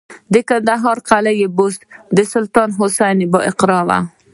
د کندهار قلعه بست د سلطان حسین بایقرا و